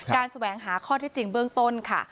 แสวงหาข้อที่จริงเบื้องต้นค่ะ